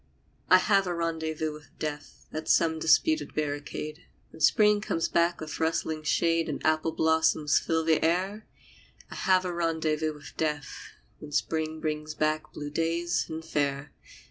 .. I have a rendezvous with Death At some disputed barricade, When Spring comes back with rustling shade And apple blossoms fill the air I have a rendezvous with Death When Spring brings back blue days and fair.